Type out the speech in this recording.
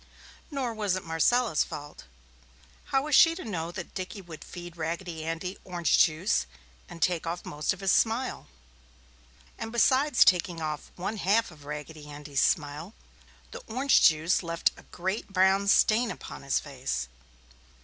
Nor was it Marcella's fault. How was she to know that Dickie would feed Raggedy Andy orange juice and take off most of his smile? And besides taking off one half of Raggedy Andy's smile, the orange juice left a great brown stain upon his face.